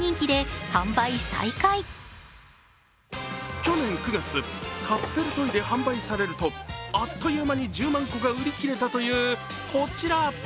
去年９月、カプセルトイで販売されるとあっという間に１０万個が売り切れたというこちら。